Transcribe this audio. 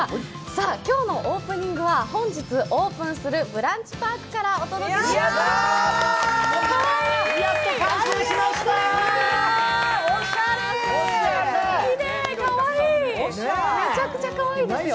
さあ、今日のオープニングは、本日オープンするブランチパークからお届けします。